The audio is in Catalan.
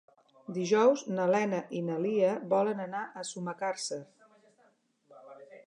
Dijous na Lena i na Lia volen anar a Sumacàrcer.